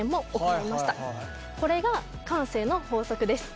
これが慣性の法則です。